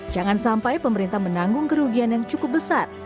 jangan sampai pemerintah menanggung kerugian yang cukup besar